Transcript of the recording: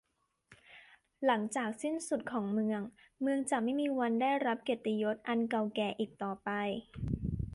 หลังจากการสิ้นสุดของเมือง เมืองจะไม่มีวันได้รับเกียรติยศอันเก่าแก่อีกต่อไป